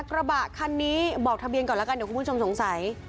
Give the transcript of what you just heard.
กระบะคันนี้บอกทะเบียนก่อนแล้วกันเดี๋ยวคุณผู้ชมสงสัย